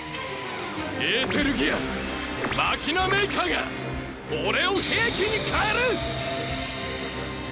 エーテルギアマキナ・メイカーが俺を兵器に変える！